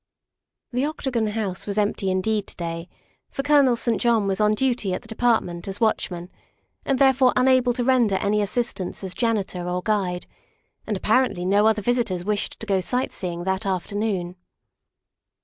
The Octagon House was empty indeed to day, for THE SECRETARY OF STATE 193 Colonel St. John was on duty at the Department as watchman, and therefore unable to render any assist ance as janitor or guide, and apparently no other visitors wished to go sightseeing that afternoon.